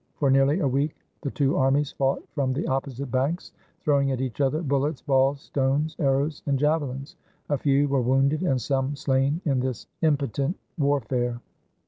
For nearly a week the two armies fought from the opposite banks, throwing at each other bullets, balls, stones, ar rows, and javelins. A few were wounded and some slain in this impotent warfare.